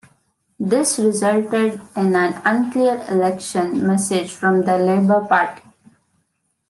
This resulted in an unclear election message from the Labour Party.